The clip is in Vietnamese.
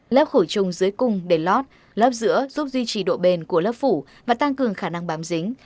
lớp khử trùng dưới cung để lót lớp giữa giúp duy trì độ bền của lớp phủ và tăng cường khả năng bám dính